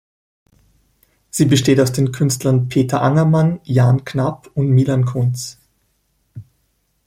Sie besteht aus den Künstlern Peter Angermann, Jan Knap und Milan Kunc.